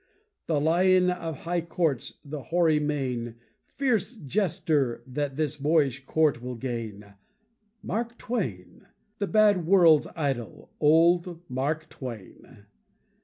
The lion of high courts, with hoary mane, Fierce jester that this boyish court will gain Mark Twain! The bad world's idol: Old Mark Twain!